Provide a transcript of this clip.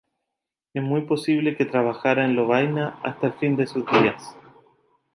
Es muy posible que trabajara en Lovaina hasta el fin de sus días.